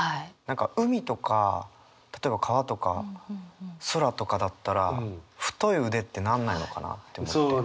何か海とか例えば川とか空とかだったら「太い腕」ってなんないのかなって思って。